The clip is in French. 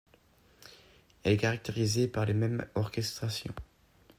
Elle est caractérisée par les mêmes orchestrations.